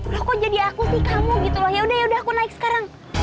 lah kok jadi aku sih kamu gitu lah yaudah yaudah aku naik sekarang